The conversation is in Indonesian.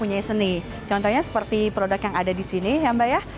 contohnya seperti produk yang ada di sini ya mbak ya